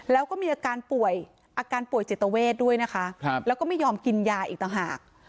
แล้วก็มีอาการป่วยอาการป่วยจิตเวทด้วยนะคะแล้วก็ไม่ยอมกินยาอีกต่างหาก